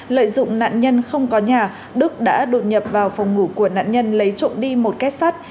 lợi dụng nạn nhân không có nhà đức đã đột nhập vào phòng ngủ của nạn nhân lấy trộn đi một kép sát